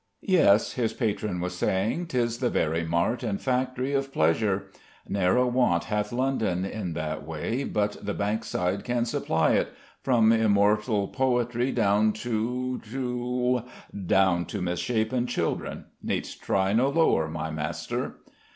"Yes," his patron was saying, "'tis the very mart and factory of pleasure. Ne'er a want hath London in that way but the Bankside can supply it, from immortal poetry down to to "" Down to misshapen children. Need'st try no lower, my master."